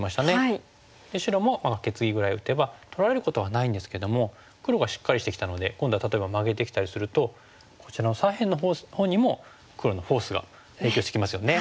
白もカケツギぐらい打てば取られることはないんですけども黒がしっかりしてきたので今度は例えばマゲてきたりするとこちらの左辺のほうにも黒のフォースが影響してきますよね。